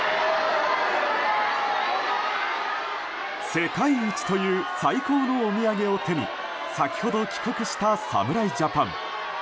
世界一という最高のお土産を手に先ほど帰国した侍ジャパン。